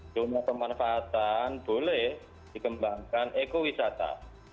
zona pemanfaatan boleh dikembangkan ekowisata